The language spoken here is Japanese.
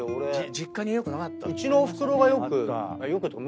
実家によくなかった？